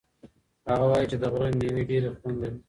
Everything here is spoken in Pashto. هغه وایي چې د غره مېوې ډېر خوند لري.